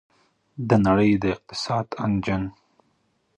د نړۍ د اقتصاد انجن.